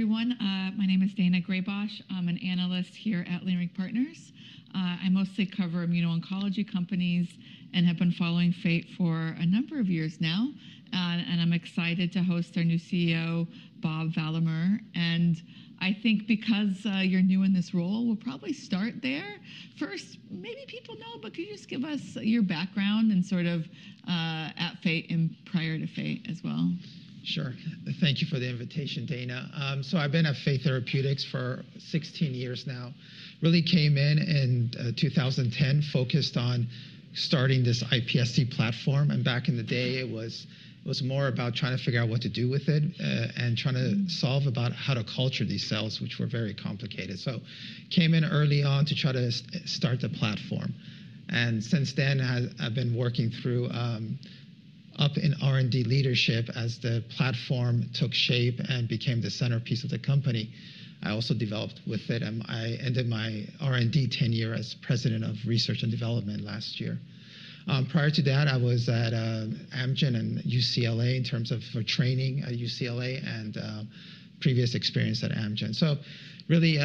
Hi, everyone. My name is Daina Graybosch. I'm an analyst here at Leerink Partners. I mostly cover immuno-oncology companies and have been following Fate for a number of years now. I'm excited to host our new CEO, Bob Valamehr. I think because you're new in this role, we'll probably start there. First, maybe people know, but could you just give us your background and sort of at Fate and prior to Fate as well? Sure. Thank you for the invitation, Daina. I've been at Fate Therapeutics for 16 years now. I really came in in 2010, focused on starting this iPSC platform. Back in the day, it was more about trying to figure out what to do with it and trying to solve about how to culture these cells, which were very complicated. I came in early on to try to start the platform. Since then, I've been working through up in R&D leadership as the platform took shape and became the centerpiece of the company. I also developed with it. I ended my R&D tenure as President of Research and Development last year. Prior to that, I was at Amgen and UCLA in terms of training at UCLA and previous experience at Amgen. Really,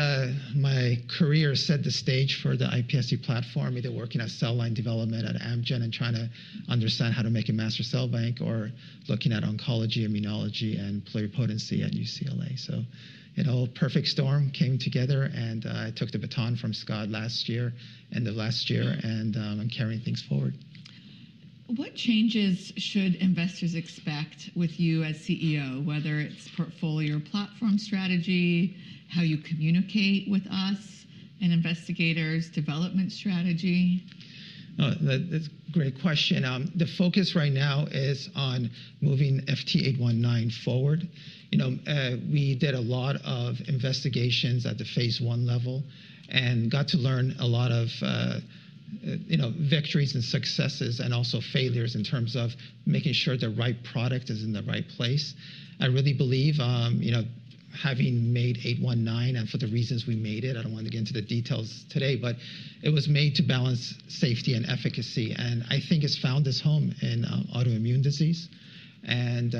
my career set the stage for the iPSC platform, either working on cell line development at Amgen and trying to understand how to make a master cell bank or looking at oncology, immunology, and pluripotency at UCLA. It all perfect storm came together. I took the baton from Scott last year and the last year. I'm carrying things forward. What changes should investors expect with you as CEO, whether it's portfolio or platform strategy, how you communicate with us and investigators, development strategy? That's a great question. The focus right now is on moving FT819 forward. We did a lot of investigations at the phase one level and got to learn a lot of victories and successes and also failures in terms of making sure the right product is in the right place. I really believe having made 819 and for the reasons we made it, I don't want to get into the details today, but it was made to balance safety and efficacy. I think it's found its home in autoimmune disease and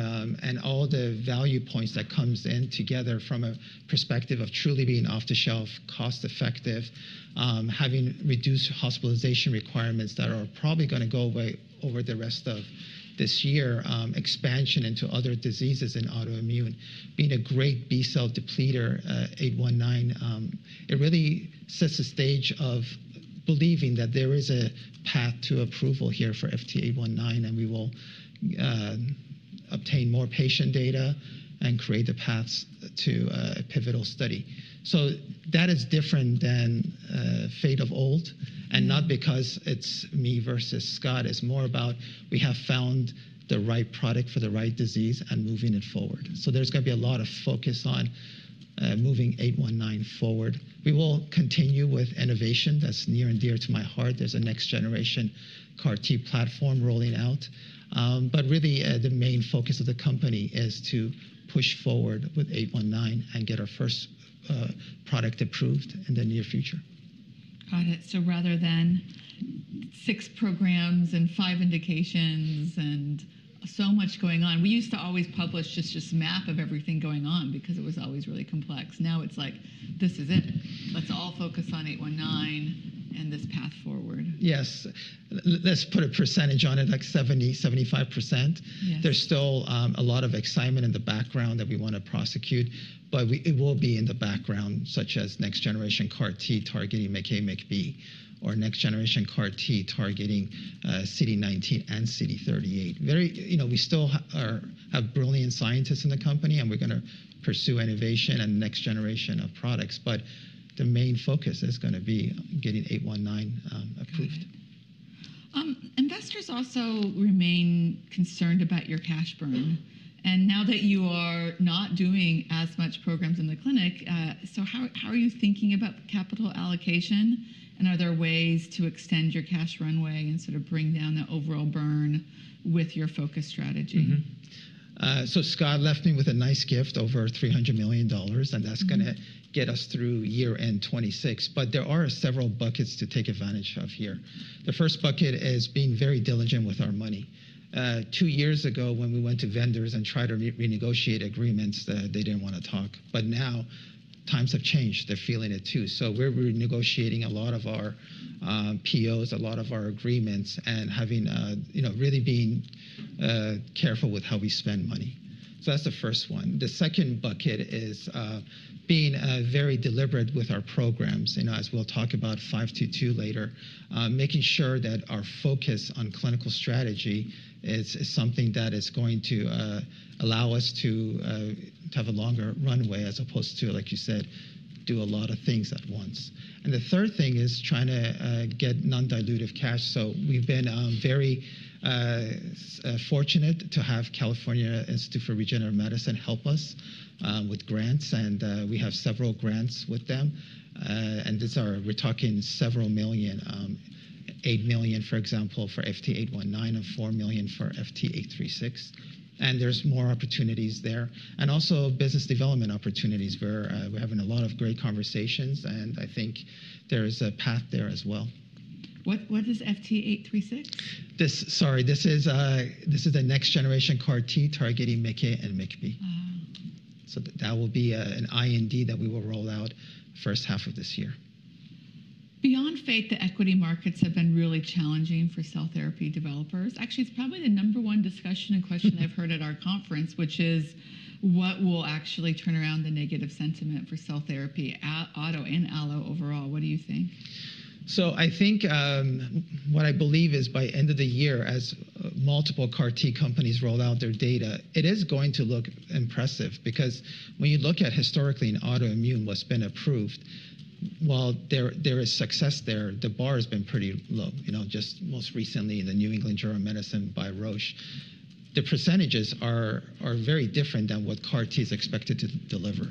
all the value points that come in together from a perspective of truly being off the shelf, cost-effective, having reduced hospitalization requirements that are probably going to go away over the rest of this year, expansion into other diseases in autoimmune, being a great B cell depleter, 819. It really sets the stage of believing that there is a path to approval here for FT819. We will obtain more patient data and create the paths to a pivotal study. That is different than Fate of old. Not because it is me versus Scott. It is more about we have found the right product for the right disease and moving it forward. There is going to be a lot of focus on moving 819 forward. We will continue with innovation. That is near and dear to my heart. There is a next generation CAR T platform rolling out. Really, the main focus of the company is to push forward with 819 and get our first product approved in the near future. Got it. Rather than six programs and five indications and so much going on, we used to always publish just this map of everything going on because it was always really complex. Now it's like, this is it. Let's all focus on 819 and this path forward. Yes. Let's put a percentage on it, like 70%, 75%. There is still a lot of excitement in the background that we want to prosecute. It will be in the background, such as next generation CAR T targeting MICA, MICB, or next generation CAR T targeting CD19 and CD38. We still have brilliant scientists in the company. We are going to pursue innovation and next generation of products. The main focus is going to be getting 819 approved. Investors also remain concerned about your cash burn. Now that you are not doing as much programs in the clinic, how are you thinking about capital allocation? Are there ways to extend your cash runway and sort of bring down the overall burn with your focus strategy? Scott left me with a nice gift over $300 million. That is going to get us through year end 2026. There are several buckets to take advantage of here. The first bucket is being very diligent with our money. Two years ago, when we went to vendors and tried to renegotiate agreements, they did not want to talk. Now times have changed. They are feeling it too. We are renegotiating a lot of our POs, a lot of our agreements, and really being careful with how we spend money. That is the first one. The second bucket is being very deliberate with our programs. As we will talk about 522 later, making sure that our focus on clinical strategy is something that is going to allow us to have a longer runway as opposed to, like you said, do a lot of things at once. The third thing is trying to get non-dilutive cash. We have been very fortunate to have California Institute for Regenerative Medicine help us with grants. We have several grants with them. We are talking several million, $8 million, for example, for FT819 and $4 million for FT836. There are more opportunities there. Also, business development opportunities where we are having a lot of great conversations. I think there is a path there as well. What is FT836? Sorry. This is a next-generation CAR T targeting NKG2D and NKG2D ligands. That will be an IND that we will roll out first half of this year. Beyond Fate, the equity markets have been really challenging for cell therapy developers. Actually, it's probably the number one discussion and question I've heard at our conference, which is, what will actually turn around the negative sentiment for cell therapy in Allo overall? What do you think? I think what I believe is by end of the year, as multiple CAR T companies roll out their data, it is going to look impressive. Because when you look at historically in autoimmune what's been approved, while there is success there, the bar has been pretty low. Just most recently in the New England Journal of Medicine by Roche, the percentages are very different than what CAR T is expected to deliver.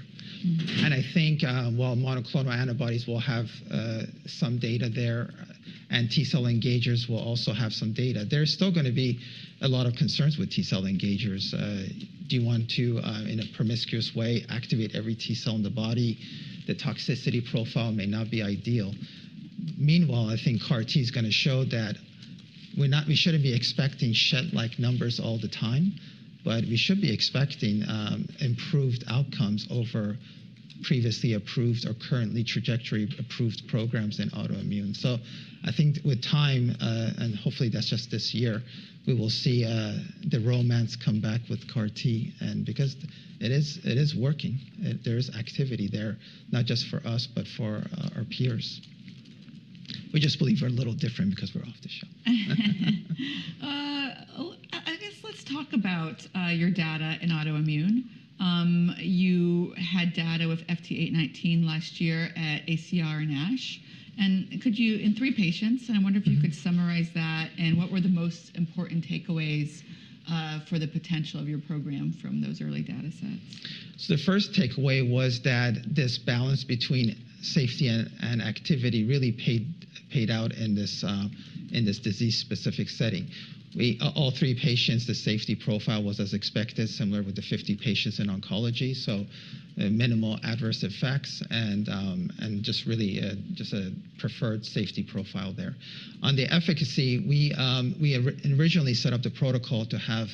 I think while monoclonal antibodies will have some data there and T cell engagers will also have some data, there's still going to be a lot of concerns with T cell engagers. Do you want to, in a promiscuous way, activate every T cell in the body? The toxicity profile may not be ideal. Meanwhile, I think CAR T is going to show that we shouldn't be expecting Schett-like numbers all the time. We should be expecting improved outcomes over previously approved or currently trajectory-approved programs in autoimmune. I think with time, and hopefully that's just this year, we will see the romance come back with CAR T. Because it is working, there is activity there, not just for us, but for our peers. We just believe we're a little different because we're off the shelf. I guess let's talk about your data in autoimmune. You had data with FT819 last year at ACR and ASH. Could you, in three patients, and I wonder if you could summarize that, and what were the most important takeaways for the potential of your program from those early data sets? The first takeaway was that this balance between safety and activity really paid out in this disease-specific setting. All three patients, the safety profile was as expected, similar with the 50 patients in oncology. Minimal adverse effects and just really just a preferred safety profile there. On the efficacy, we originally set up the protocol to have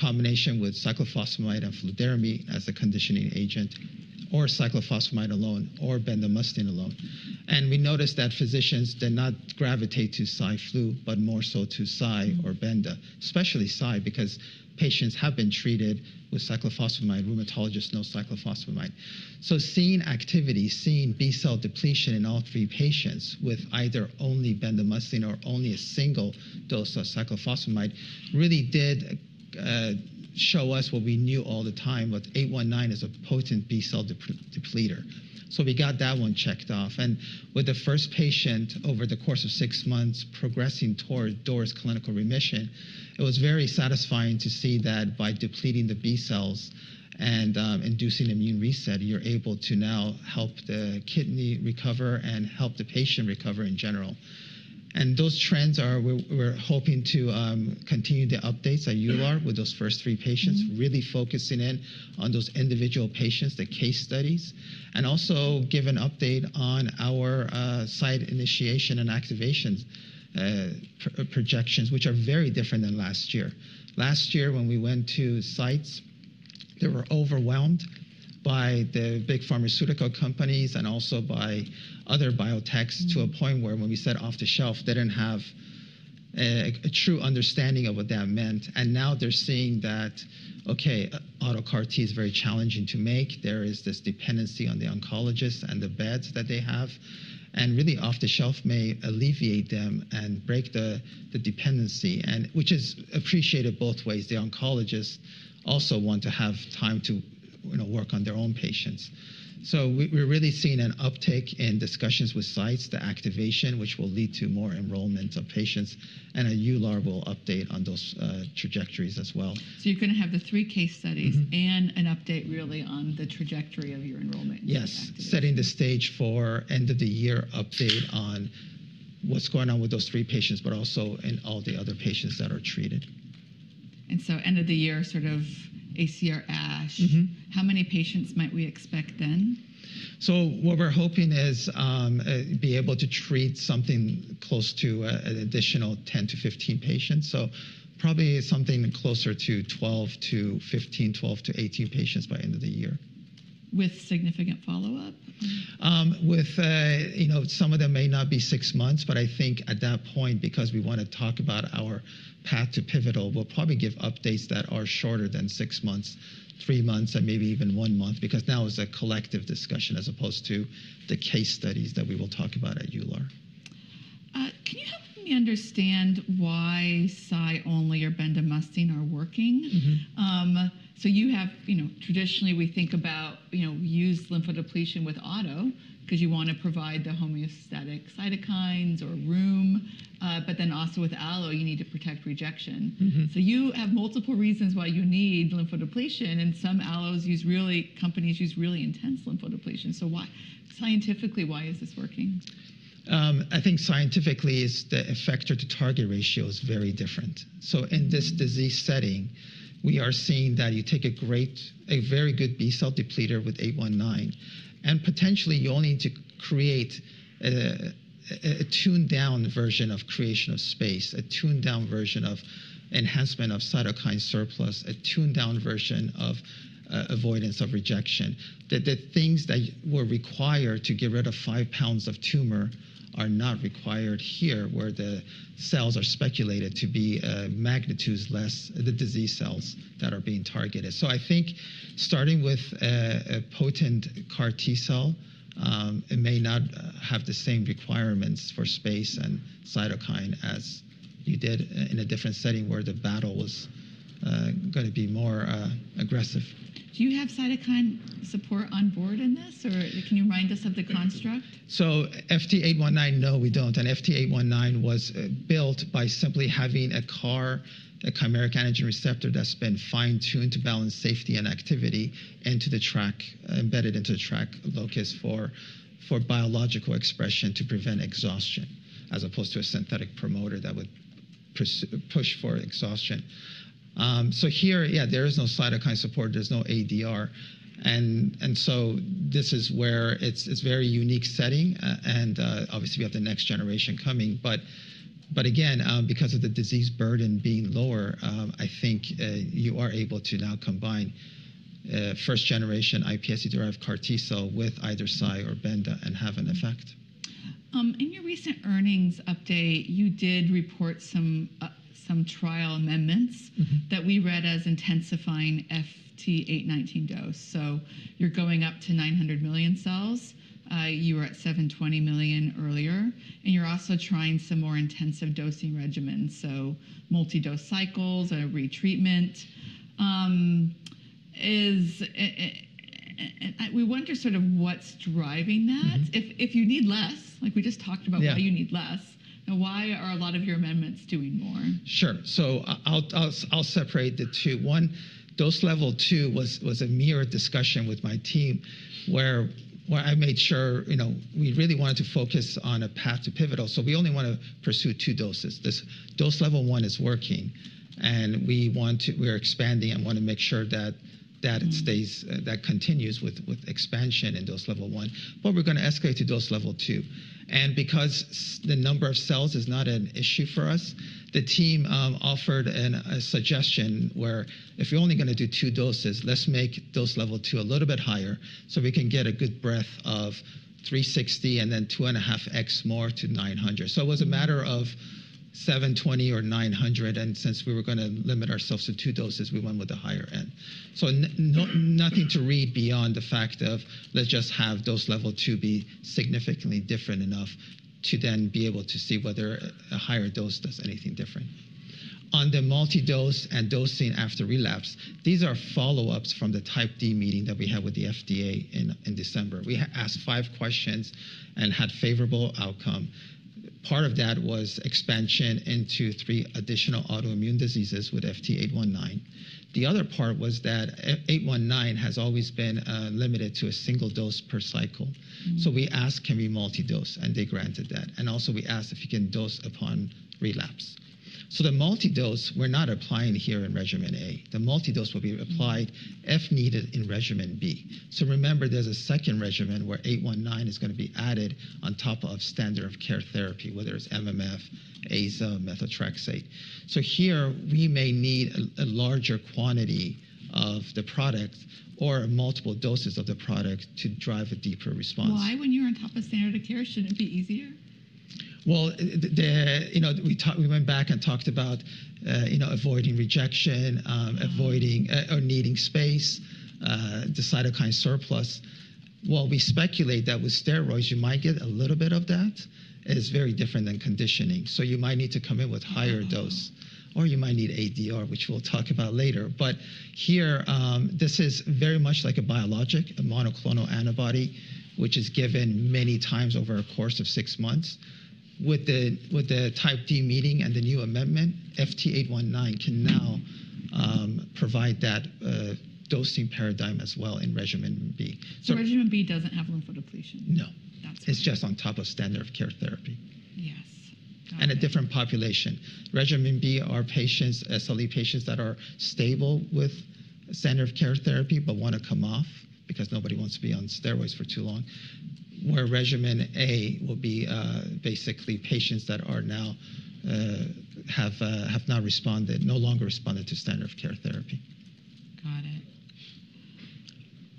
combination with cyclophosphamide and fludarabine as a conditioning agent or cyclophosphamide alone or bendamustine alone. We noticed that physicians did not gravitate to CyFlu, but more so to Cy or benda, especially Cy, because patients have been treated with cyclophosphamide, rheumatologists know cyclophosphamide. Seeing activity, seeing B cell depletion in all three patients with either only bendamustine or only a single dose of cyclophosphamide really did show us what we knew all the time, that 819 is a potent B cell depleter. We got that one checked off. With the first patient over the course of six months progressing toward DOR clinical remission, it was very satisfying to see that by depleting the B cells and inducing immune reset, you're able to now help the kidney recover and help the patient recover in general. Those trends are we're hoping to continue the updates at EULAR with those first three patients, really focusing in on those individual patients, the case studies, and also give an update on our site initiation and activation projections, which are very different than last year. Last year, when we went to sites, they were overwhelmed by the big pharmaceutical companies and also by other biotechs to a point where when we said off the shelf, they did not have a true understanding of what that meant. Now they're seeing that, OK, auto CAR T is very challenging to make. There is this dependency on the oncologists and the beds that they have. Really, off the shelf may alleviate them and break the dependency, which is appreciated both ways. The oncologists also want to have time to work on their own patients. We are really seeing an uptake in discussions with sites, the activation, which will lead to more enrollment of patients. At EULAR, we will update on those trajectories as well. You're going to have the three case studies and an update really on the trajectory of your enrollment and activity. Yes, setting the stage for end of the year update on what's going on with those three patients, but also in all the other patients that are treated. End of the year, sort of ACR, ASH, how many patients might we expect then? What we're hoping is be able to treat something close to an additional 10-15 patients. Probably something closer to 12-15, 12-18 patients by end of the year. With significant follow-up? With some of them may not be six months. I think at that point, because we want to talk about our path to pivotal, we'll probably give updates that are shorter than six months, three months, and maybe even one month. Because now it's a collective discussion as opposed to the case studies that we will talk about at EULAR. Can you help me understand why Cy only or bendamustine are working? Traditionally, we think about used lymphodepletion with auto because you want to provide the homeostatic cytokines or room. Then also with allo, you need to protect rejection. You have multiple reasons why you need lymphodepletion. Some companies use really intense lymphodepletion. Scientifically, why is this working? I think scientifically, the effector to target ratio is very different. In this disease setting, we are seeing that you take a very good B cell depleter with 819. Potentially, you only need to create a tuned-down version of creation of space, a tuned-down version of enhancement of cytokine surplus, a tuned-down version of avoidance of rejection. The things that were required to get rid of 5 pounds of tumor are not required here, where the cells are speculated to be magnitudes less the disease cells that are being targeted. I think starting with a potent CAR T cell, it may not have the same requirements for space and cytokine as you did in a different setting where the battle was going to be more aggressive. Do you have cytokine support on board in this? Or can you remind us of the construct? FT819, no, we do not. And FT819 was built by simply having a CAR, a chimeric antigen receptor that has been fine-tuned to balance safety and activity embedded into the TRAC locus for biological expression to prevent exhaustion as opposed to a synthetic promoter that would push for exhaustion. Here, yeah, there is no cytokine support. There is no ADR. This is where it is a very unique setting. Obviously, we have the next generation coming. Again, because of the disease burden being lower, I think you are able to now combine first generation iPSC-derived CAR T cell with either Cy or benda and have an effect. In your recent earnings update, you did report some trial amendments that we read as intensifying FT819 dose. You are going up to 900 million cells. You were at 720 million earlier. You are also trying some more intensive dosing regimens, multi-dose cycles, a retreatment. We wonder sort of what is driving that. If you need less, like we just talked about why you need less, why are a lot of your amendments doing more? Sure. I'll separate the two. One, dose level two was a mirror discussion with my team where I made sure we really wanted to focus on a path to pivotal. We only want to pursue two doses. This dose level one is working. We are expanding and want to make sure that it continues with expansion in dose level one. We are going to escalate to dose level two. Because the number of cells is not an issue for us, the team offered a suggestion where if you're only going to do two doses, let's make dose level two a little bit higher so we can get a good breadth of 360 and then 2 and 1/2x more to 900. It was a matter of 720 or 900. Since we were going to limit ourselves to two doses, we went with the higher end. Nothing to read beyond the fact of let's just have dose level two be significantly different enough to then be able to see whether a higher dose does anything different. On the multi-dose and dosing after relapse, these are follow-ups from the Type D meeting that we had with the FDA in December. We asked five questions and had favorable outcome. Part of that was expansion into three additional autoimmune diseases with FT819. The other part was that 819 has always been limited to a single dose per cycle. We asked, can we multi-dose? They granted that. Also, we asked if you can dose upon relapse. The multi-dose, we're not applying here in regimen A. The multi-dose will be applied if needed in regimen B. Remember, there's a second regimen where 819 is going to be added on top of standard of care therapy, whether it's MMF, AZA, methotrexate. Here, we may need a larger quantity of the product or multiple doses of the product to drive a deeper response. Why? When you're on top of standard of care, shouldn't it be easier? We went back and talked about avoiding rejection or needing space, the cytokine surplus. While we speculate that with steroids, you might get a little bit of that. It's very different than conditioning. You might need to come in with higher dose. Or you might need ADR, which we'll talk about later. Here, this is very much like a biologic, a monoclonal antibody, which is given many times over a course of six months. With the Type D meeting and the new amendment, FT819 can now provide that dosing paradigm as well in regimen B. Regimen B doesn't have lymphodepletion? No. It's just on top of standard of care therapy. Yes. A different population. Regimen B are SLE patients that are stable with standard of care therapy but want to come off because nobody wants to be on steroids for too long, where regimen A will be basically patients that now have no longer responded to standard of care therapy. Got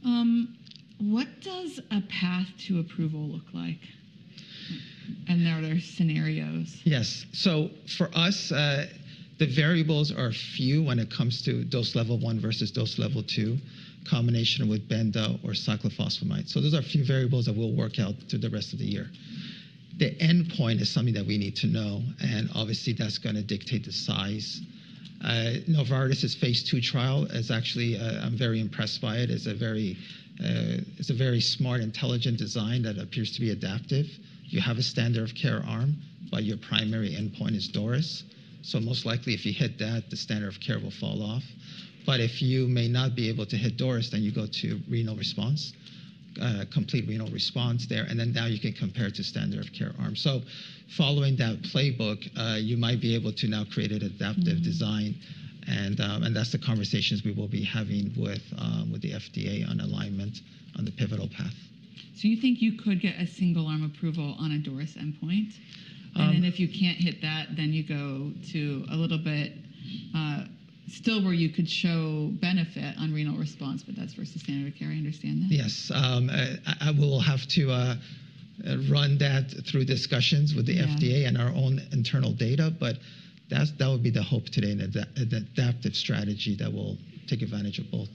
it. What does a path to approval look like? Are there scenarios? Yes. For us, the variables are few when it comes to dose level one versus dose level two, combination with bendamustine or cyclophosphamide. Those are a few variables that we'll work out through the rest of the year. The endpoint is something that we need to know. Obviously, that's going to dictate the size. Novartis' phase two trial is actually, I'm very impressed by it. It's a very smart, intelligent design that appears to be adaptive. You have a standard of care arm, but your primary endpoint is DOR. Most likely, if you hit that, the standard of care will fall off. If you may not be able to hit DOR, then you go to complete renal response there. Now you can compare to the standard of care arm. Following that playbook, you might be able to now create an adaptive design. That's the conversations we will be having with the FDA on alignment on the pivotal path. You think you could get a single arm approval on a DOR endpoint? If you can't hit that, you go to a little bit still where you could show benefit on renal response, but that's versus standard of care. I understand that. Yes. I will have to run that through discussions with the FDA and our own internal data. That would be the hope today, an adaptive strategy that will take advantage of both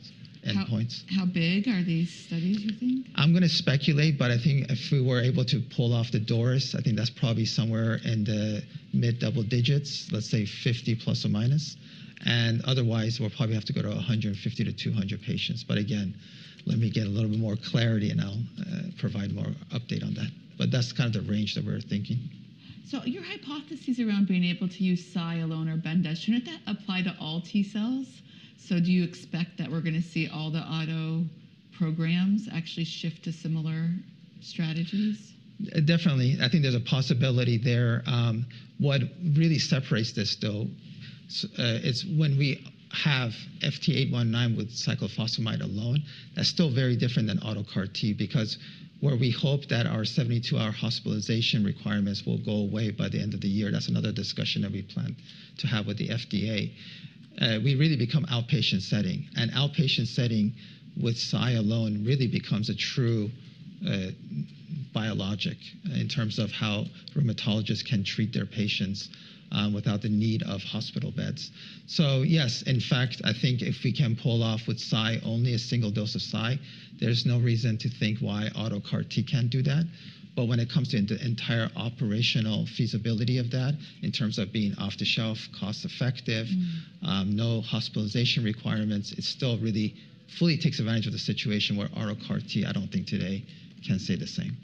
endpoints. How big are these studies, you think? I'm going to speculate. I think if we were able to pull off the DORs, I think that's probably somewhere in the mid double digits, let's say 50 plus or minus. Otherwise, we'll probably have to go to 150-200 patients. Again, let me get a little bit more clarity and I'll provide more update on that. That's kind of the range that we're thinking. Your hypothesis around being able to use Cy alone or benda, shouldn't that apply to all T cells? Do you expect that we're going to see all the auto programs actually shift to similar strategies? Definitely. I think there's a possibility there. What really separates this though is when we have FT819 with cyclophosphamide alone, that's still very different than auto CAR T because where we hope that our 72-hour hospitalization requirements will go away by the end of the year, that's another discussion that we plan to have with the FDA. We really become outpatient setting. Outpatient setting with Cy alone really becomes a true biologic in terms of how rheumatologists can treat their patients without the need of hospital beds. Yes, in fact, I think if we can pull off with Cy only a single dose of Cy, there's no reason to think why auto CAR T can't do that. When it comes to the entire operational feasibility of that in terms of being off the shelf, cost-effective, no hospitalization requirements, it still really fully takes advantage of the situation where auto CAR T, I don't think today can say the same.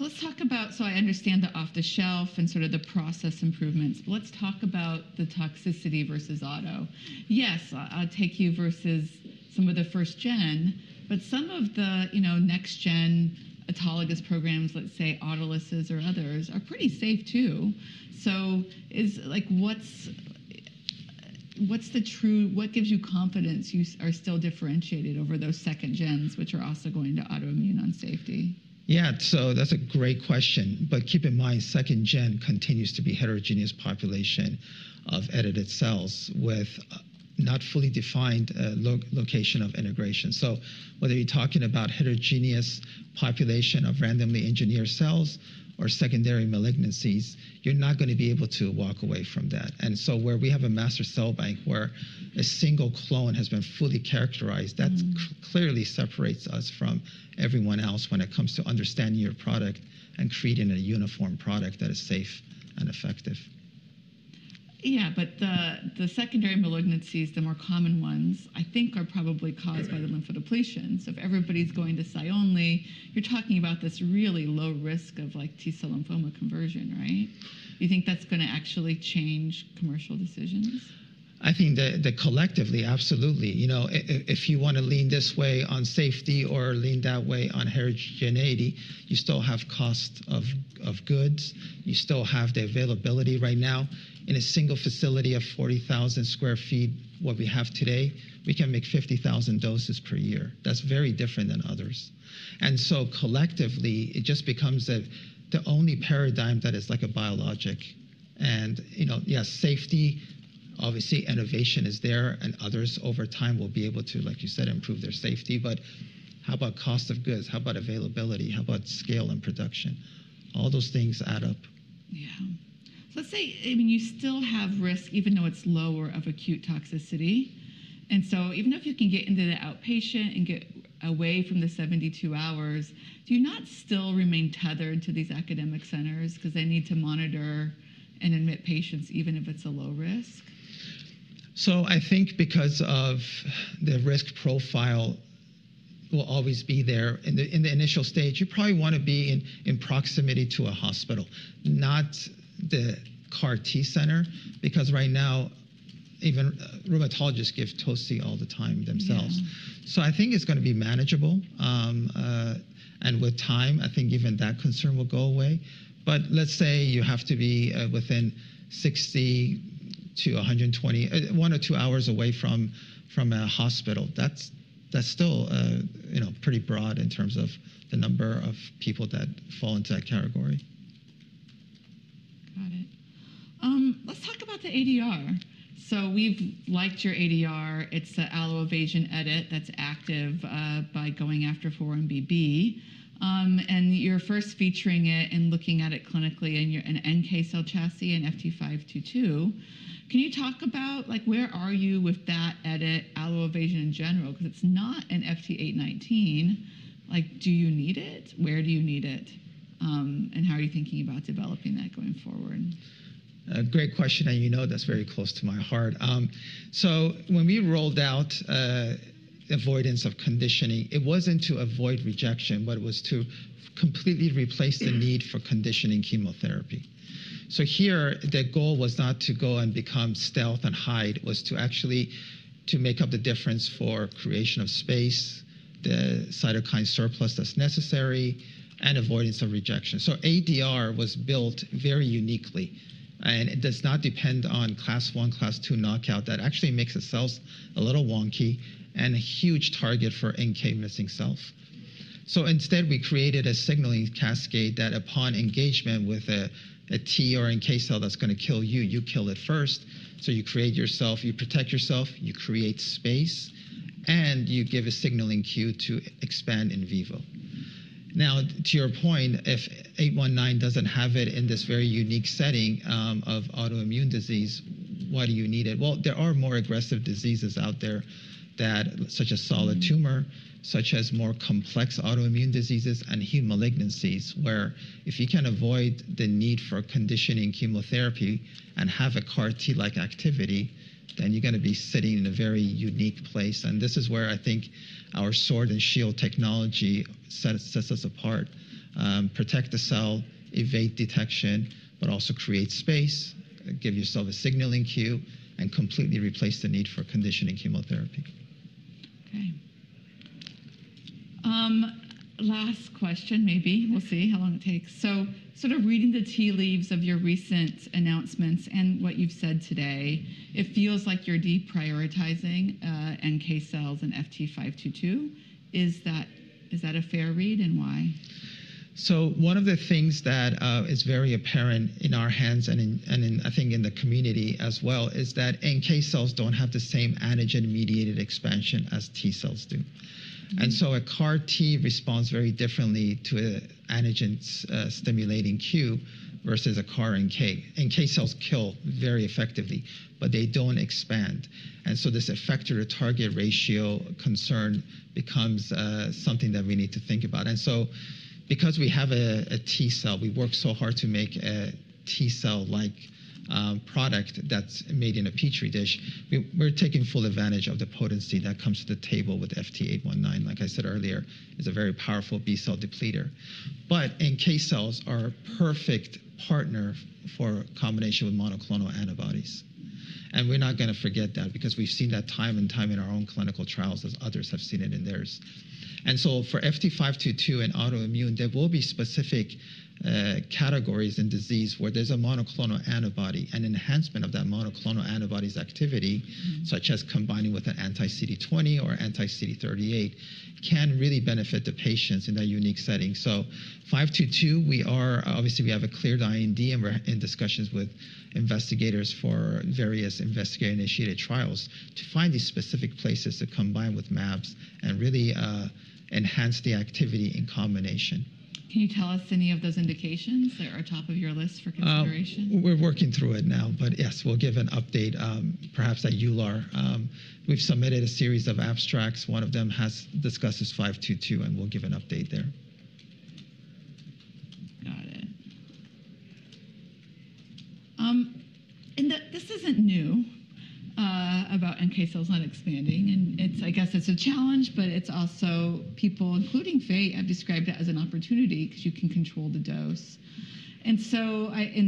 Let's talk about, so I understand the off-the-shelf and sort of the process improvements. Let's talk about the toxicity versus auto. Yes, I'll take you versus some of the first-gen, but some of the next-gen autologous programs, let's say Autolus or others, are pretty safe too. What's the true, what gives you confidence you are still differentiated over those second-gens, which are also going to autoimmune on safety? Yeah. That's a great question. Keep in mind, second gen continues to be a heterogeneous population of edited cells with not fully defined location of integration. Whether you're talking about heterogeneous population of randomly engineered cells or secondary malignancies, you're not going to be able to walk away from that. Where we have a master cell bank where a single clone has been fully characterized, that clearly separates us from everyone else when it comes to understanding your product and creating a uniform product that is safe and effective. Yeah. The secondary malignancies, the more common ones, I think are probably caused by the lymphodepletion. If everybody's going to Cy only, you're talking about this really low risk of T cell lymphoma conversion, right? Do you think that's going to actually change commercial decisions? I think that collectively, absolutely. If you want to lean this way on safety or lean that way on heterogeneity, you still have cost of goods. You still have the availability right now. In a single facility of 40,000 sq ft, what we have today, we can make 50,000 doses per year. That is very different than others. It just becomes the only paradigm that is like a biologic. Yes, safety, obviously, innovation is there. Others over time will be able to, like you said, improve their safety. How about cost of goods? How about availability? How about scale and production? All those things add up. Yeah. Let's say, I mean, you still have risk, even though it's lower, of acute toxicity. And even if you can get into the outpatient and get away from the 72 hours, do you not still remain tethered to these academic centers because they need to monitor and admit patients even if it's a low risk? I think because of the risk profile will always be there. In the initial stage, you probably want to be in proximity to a hospital, not the CAR-T center, because right now, even rheumatologists give toci all the time themselves. I think it's going to be manageable. With time, I think even that concern will go away. Let's say you have to be within 60-120, one or two hours away from a hospital. That's still pretty broad in terms of the number of people that fall into that category. Got it. Let's talk about the ADR. We've liked your ADR. It's the allo-evasion edit that's active by going after 4-1BB. You're first featuring it and looking at it clinically in an NK cell chassis and FT522. Can you talk about where are you with that edit, allo-evasion in general? Because it's not in FT819. Do you need it? Where do you need it? How are you thinking about developing that going forward? Great question. You know that's very close to my heart. When we rolled out avoidance of conditioning, it wasn't to avoid rejection, but it was to completely replace the need for conditioning chemotherapy. Here, the goal was not to go and become stealth and hide. It was actually to make up the difference for creation of space, the cytokine surplus that's necessary, and avoidance of rejection. ADR was built very uniquely. It does not depend on class one, class two knockout. That actually makes the cells a little wonky and a huge target for NK missing cells. Instead, we created a signaling cascade that upon engagement with a T or NK cell that's going to kill you, you kill it first. You create yourself. You protect yourself. You create space. You give a signaling cue to expand in vivo. Now, to your point, if 819 doesn't have it in this very unique setting of autoimmune disease, why do you need it? There are more aggressive diseases out there, such as solid tumor, such as more complex autoimmune diseases, and heme malignancies, where if you can avoid the need for conditioning chemotherapy and have a CAR T-like activity, then you're going to be sitting in a very unique place. This is where I think our sword and shield technology sets us apart. Protect the cell, evade detection, but also create space, give yourself a signaling cue, and completely replace the need for conditioning chemotherapy. OK. Last question, maybe. We'll see how long it takes. Sort of reading the tea leaves of your recent announcements and what you've said today, it feels like you're deprioritizing NK cells and FT522. Is that a fair read and why? One of the things that is very apparent in our hands and I think in the community as well is that NK cells don't have the same antigen-mediated expansion as T cells do. A CAR T responds very differently to an antigen stimulating cue versus a CAR NK. NK cells kill very effectively, but they don't expand. This effector-to-target ratio concern becomes something that we need to think about. Because we have a T cell, we work so hard to make a T cell-like product that's made in a Petri dish. We're taking full advantage of the potency that comes to the table with FT819. Like I said earlier, it's a very powerful B cell depleter. NK cells are a perfect partner for combination with monoclonal antibodies. We're not going to forget that because we've seen that time and time in our own clinical trials as others have seen it in theirs. For FT522 and autoimmune, there will be specific categories in disease where there's a monoclonal antibody. Enhancement of that monoclonal antibody's activity, such as combining with an anti-CD20 or anti-CD38, can really benefit the patients in that unique setting. FT522, we obviously have a cleared IND, and we're in discussions with investigators for various investigator-initiated trials to find these specific places to combine with mAbs and really enhance the activity in combination. Can you tell us any of those indications that are top of your list for consideration? We're working through it now. Yes, we'll give an update perhaps at EULAR. We've submitted a series of abstracts. One of them has discussed this 522, and we'll give an update there. Got it. This isn't new about NK cells not expanding. I guess it's a challenge, but it's also people, including Fate, have described it as an opportunity because you can control the dose. In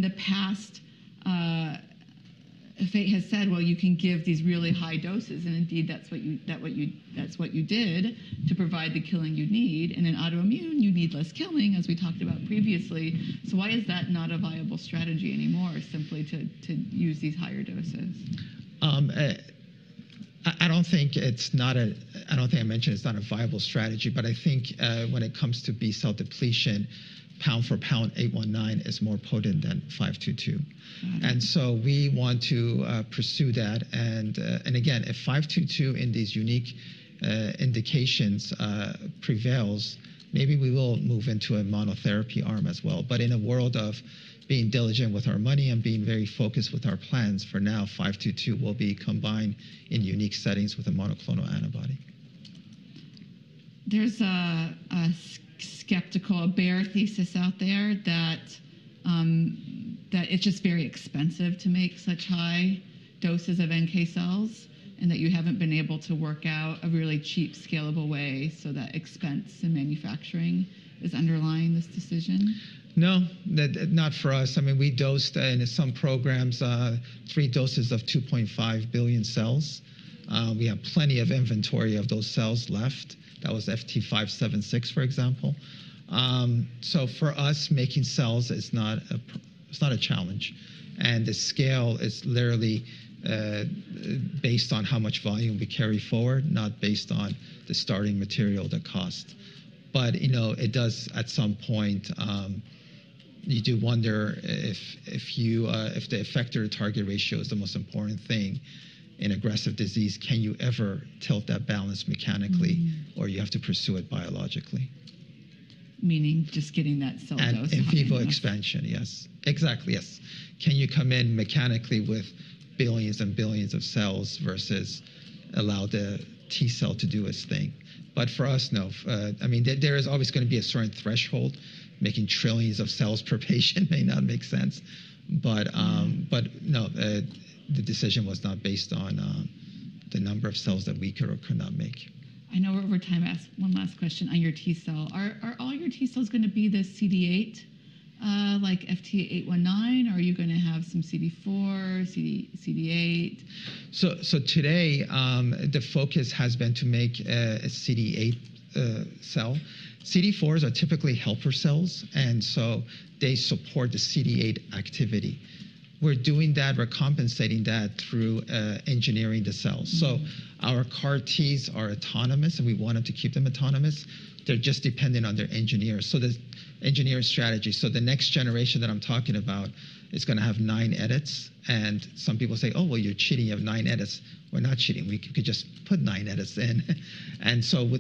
the past, Fate has said, well, you can give these really high doses. Indeed, that's what you did to provide the killing you need. In autoimmune, you need less killing, as we talked about previously. Why is that not a viable strategy anymore, simply to use these higher doses? I don't think I mentioned it's not a viable strategy. I think when it comes to B cell depletion, pound-for-pound 819 is more potent than 522. We want to pursue that. If 522 in these unique indications prevails, maybe we will move into a monotherapy arm as well. In a world of being diligent with our money and being very focused with our plans, for now, 522 will be combined in unique settings with a monoclonal antibody. There's a skeptical, a bare thesis out there that it's just very expensive to make such high doses of NK cells and that you haven't been able to work out a really cheap, scalable way so that expense and manufacturing is underlying this decision. No, not for us. I mean, we dosed in some programs three doses of 2.5 billion cells. We have plenty of inventory of those cells left. That was FT576, for example. For us, making cells is not a challenge. The scale is literally based on how much volume we carry forward, not based on the starting material that cost. It does, at some point, you do wonder if the effector-to-target ratio is the most important thing in aggressive disease. Can you ever tilt that balance mechanically, or you have to pursue it biologically? Meaning just getting that cell dose first. In vivo expansion, yes. Exactly, yes. Can you come in mechanically with billions and billions of cells versus allow the T cell to do its thing? For us, no. I mean, there is always going to be a certain threshold. Making trillions of cells per patient may not make sense. No, the decision was not based on the number of cells that we could or could not make. I know we're over time. I asked one last question on your T cell. Are all your T cells going to be the CD8, like FT819? Are you going to have some CD4, CD8? Today, the focus has been to make a CD8 cell. CD4s are typically helper cells. They support the CD8 activity. We're doing that, recompensating that through engineering the cells. Our CAR Ts are autonomous, and we want to keep them autonomous. They're just dependent on their engineer, so the engineer strategy. The next generation that I'm talking about is going to have nine edits. Some people say, oh, well, you're cheating. You have nine edits. We're not cheating. We could just put nine edits in.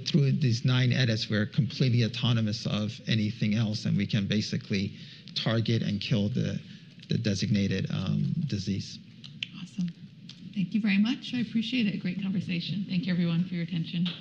Through these nine edits, we're completely autonomous of anything else. We can basically target and kill the designated disease. Awesome. Thank you very much. I appreciate it. Great conversation. Thank you, everyone, for your attention.